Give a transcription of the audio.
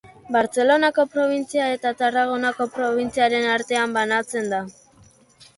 Bartzelonako probintzia eta Tarragonako probintziaren artean banatzen da.